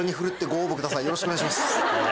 よろしくお願いします。